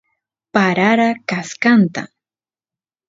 parara kaskanta